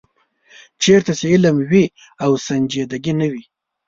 چېرته چې علم وي او سنجیدګي نه وي.